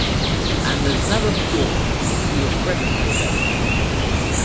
And as never before, he was ready to obey.